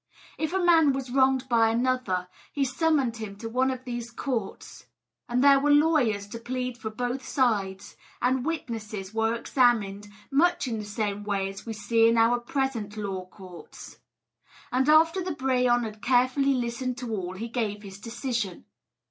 If a man was wronged by another, he summoned him to one of these courts, and there were lawyers to plead for both sides, and witnesses were examined, much in the same way as we see in our present law courts; and after the brehon had carefully listened to all, he gave his decision.